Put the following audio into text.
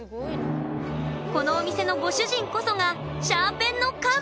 このお店のご主人こそがシャーペンの神。